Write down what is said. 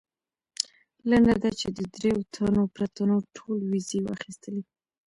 لنډه دا چې د درېیو تنو پرته نورو ټولو ویزې واخیستلې.